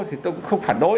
thì tôi cũng không phản đối